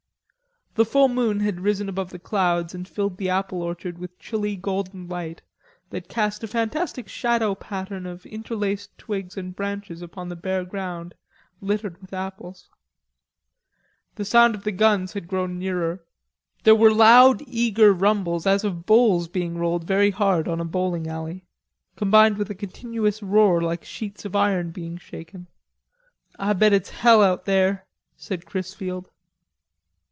The full moon had risen above the clouds and filled the apple orchard with chilly golden light that cast a fantastic shadow pattern of interlaced twigs and branches upon the bare ground littered with apples. The sound of the guns had grown nearer. There were loud eager rumbles as of bowls being rolled very hard on a bowling alley, combined with a continuous roar like sheets of iron being shaken. "Ah bet it's hell out there," said Chrisfield.